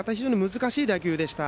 難しい打球でした。